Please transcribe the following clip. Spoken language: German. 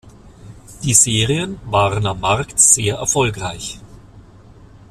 Die Serien waren am Markt sehr erfolgreich.